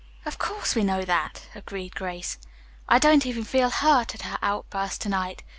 "Of course, we know that," agreed Grace. "I don't even feel hurt at her outburst to night.